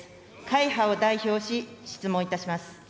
会派を代表し、質問いたします。